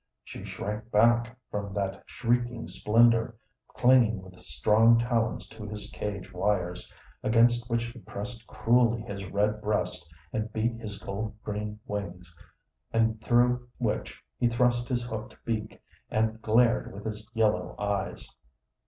She shrank back from that shrieking splendor, clinging with strong talons to his cage wires, against which he pressed cruelly his red breast and beat his gold green wings, and through which he thrust his hooked beak, and glared with his yellow eyes.